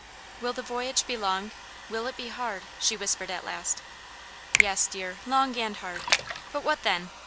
" Will the voyage be long ? Will it be hard }" she whispered at last. " Yes, dear ; long and hard. But what then